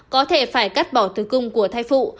có thể phải cắt bỏ thứ cung của thai phụ